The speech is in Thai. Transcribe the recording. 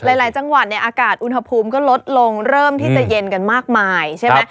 หลายจังหวัดเนี่ยอากาศอุณหภูมิก็ลดลงเริ่มที่จะเย็นกันมากมายใช่ไหม